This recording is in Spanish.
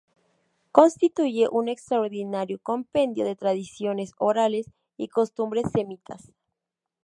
Constituye un extraordinario compendio de tradiciones orales y costumbres semitas.